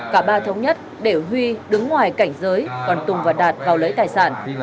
cả ba thống nhất để huy đứng ngoài cảnh giới còn tùng và đạt vào lấy tài sản